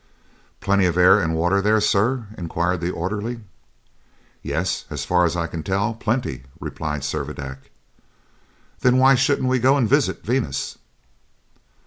"Plenty of air and water there, sir?" inquired the orderly. "Yes; as far as I can tell, plenty," replied Servadac. "Then why shouldn't we go and visit Venus?"